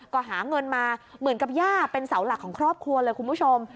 ก็หาเงินมาเหมือนกับย่าเป็นเสาหลักของครอบครัวเลยคุณผู้ชม